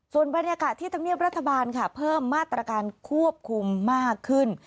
ส่วนบรรยากาศที่ธรรมเนียบรัฐบาลค่ะเพิ่มมาตรการควบคุมมากขึ้น